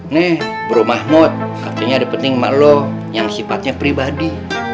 nih bro mahmud katanya ada penting maklum yang sifatnya pribadi